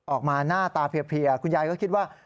ออกมาหน้าตาเพียคุณยายก็คิดว่า